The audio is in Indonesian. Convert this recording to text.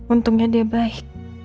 untungnya dia baik